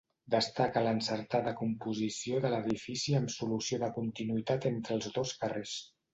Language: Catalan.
Destaca l'encertada composició de l'edifici amb solució de continuïtat entre els dos carrers.